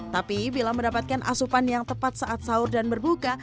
tapi bila mendapatkan asupan yang tepat saat sahur dan berbuka